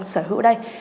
sở hữu đây